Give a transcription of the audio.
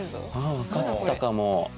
わかったかも。